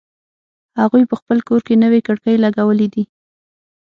هغوی په خپل کور کی نوې کړکۍ لګولې دي